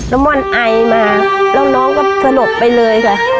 ม่อนไอมาแล้วน้องก็สลบไปเลยค่ะ